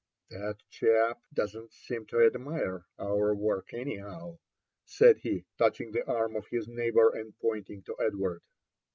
*' That chap don't seem to admire our work anyhow," said he, touching the arm of his neighbour and pointing to Edward.